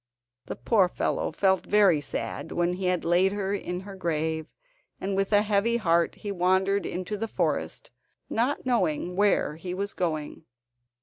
The poor fellow felt very sad when he had laid her in her grave, and with a heavy heart he wandered into the forest, not knowing where he was going.